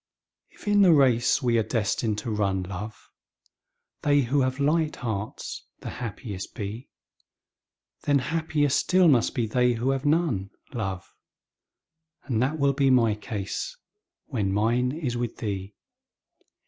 If in the race we are destined to run, love, They who have light hearts the happiest be, Then happier still must be they who have none, love. And that will be my case when mine is with thee.